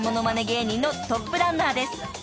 芸人のトップランナーです］